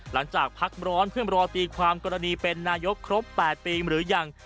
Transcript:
หลังจากพักร้อนเพื่อรอตีความกรณีเป็นนายกครบ๘ปีหรือยัง